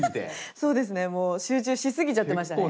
そうですねもう集中しすぎちゃってましたね。